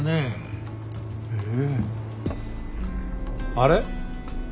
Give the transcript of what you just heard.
あれ？